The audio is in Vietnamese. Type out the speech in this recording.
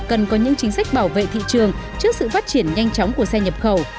cần có những chính sách bảo vệ thị trường trước sự phát triển nhanh chóng của xe nhập khẩu